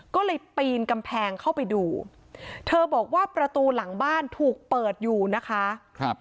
ก็เลยปีนกำแพงเข้าไปดูเธอบอกว่าประตูหลังบ้านถูกเปิดอยู่นะคะครับ